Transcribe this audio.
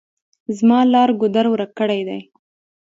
زما لار ګودر ورک کړي دي.